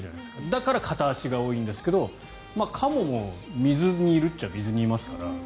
だから、片足が多いんですがカモも水にいるっちゃ水にいますから。